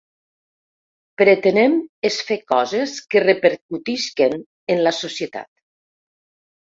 Pretenem és fer coses que repercutisquen en la societat.